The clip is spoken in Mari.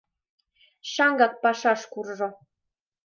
— Шаҥгак пашаш куржо.